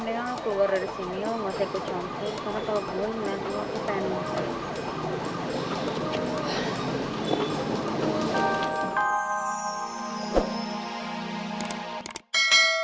alhamdulillah aku keluar dari sini aku masih kecompet